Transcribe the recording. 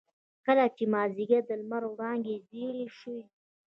کله چې مازيګر د لمر وړانګې زيړې شوې.